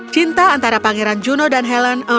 cinta antara pangeran juno dan helen